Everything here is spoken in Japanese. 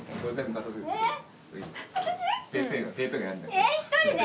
えっ１人で？